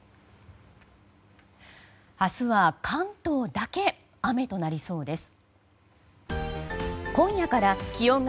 明日は関東だけ雨となりそうです。